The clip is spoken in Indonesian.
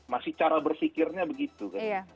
masih cara bersikirnya begitu